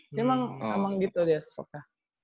ini emang emang gitu dia sosoknya